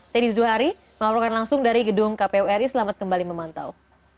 teddy zuhari mengapalkan langsung dari gedung kpuri selamat kembali memantau